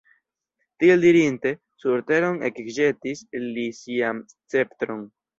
Tiel dirinte, sur teron ekĵetis li sian sceptron.